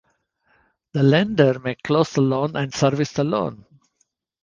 The lender may close the loan and service the loan.